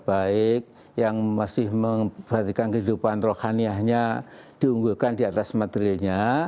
baik yang masih memperhatikan kehidupan rohaniyahnya diunggulkan di atas materinya